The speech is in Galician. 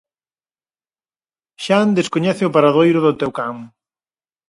Xan descoñece o paradoiro do teu can.